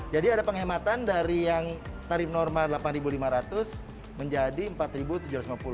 jadi ada penghematan dari yang tarif normal rp delapan lima ratus menjadi rp empat tujuh ratus lima puluh